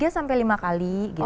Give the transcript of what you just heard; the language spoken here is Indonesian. dia sampai lima kali gitu